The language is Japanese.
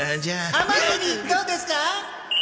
甘栗どうですか？